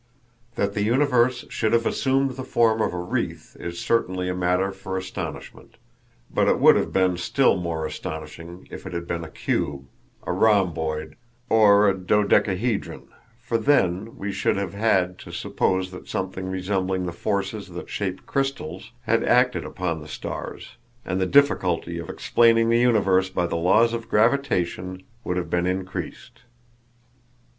That the universe should have assumed the form of a wreath is certainly a matter for astonishment; but it would have been still more astonishing if it had been a cube, a rhomboid, or a dodecahedron, for then we should have had to suppose that something resembling the forces that shape crystals had acted upon the stars, and the difficulty of explaining the universe by the laws of gravitation would have been increased.